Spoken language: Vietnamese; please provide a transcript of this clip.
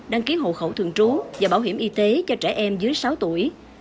đăng ký hộ khẩu thường trú và bảo hiểm y tế cho trẻ em dưới sáu tuổi